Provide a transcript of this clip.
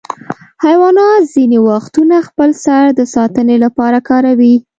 حیوانات ځینې وختونه خپل سر د ساتنې لپاره کاروي.